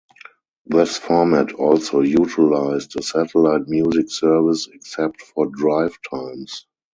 This format also utilized a satellite music service except for drive times.